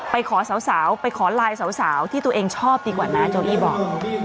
ไปขอสาวไปขอไลน์สาวที่ตัวเองชอบดีกว่านะโจอี้บอก